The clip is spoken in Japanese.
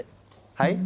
はい？